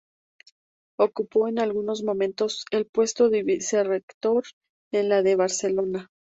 Ocupó en algunos momentos el puesto de vicerrector en la de Barcelona.